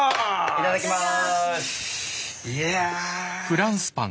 いただきます。